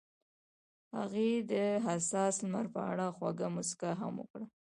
هغې د حساس لمر په اړه خوږه موسکا هم وکړه.